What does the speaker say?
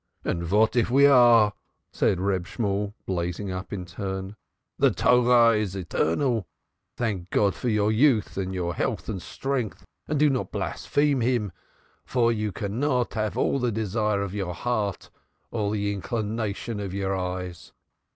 "And what if we are!" said Reb Shemuel, blazing up in turn. "The Torah is eternal. Thank God for your youth, and your health and strength, and do not blaspheme Him because you cannot have all the desire of your heart or the inclination of your eyes."